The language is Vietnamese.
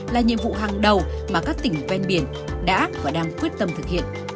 là nhiệm vụ hàng đầu mà các tỉnh ven biển đã và đang quyết tâm thực hiện